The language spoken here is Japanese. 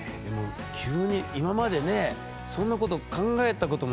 急に今までねそんなこと考えたこともないでしょう？